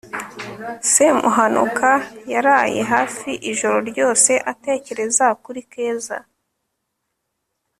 semuhanuka yaraye hafi ijoro ryose atekereza kuri keza